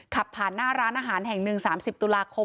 ขับผ่านหน้าร้านอาหารแห่งหนึ่ง๓๐ตุลาคม